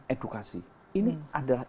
edukasi ini adalah